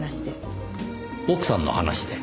奥さんの話で。